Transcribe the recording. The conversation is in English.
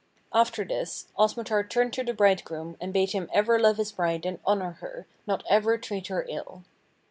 After this Osmotar turned to the bridegroom and bade him ever love his bride and honour her, nor ever treat her ill.